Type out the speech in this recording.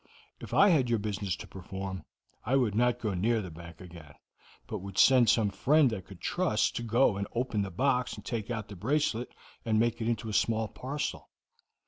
"If I had your business to perform, I would not go near the bank again, but would send some friend I could trust to go and open the box, and take out the bracelet, and make it into a small parcel.